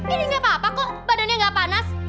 ini gapapa kok badannya ga panas